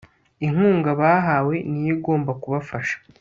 inkunga bahawe niyo igomba kubafasha